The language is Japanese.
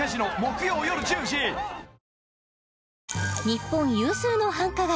日本有数の繁華街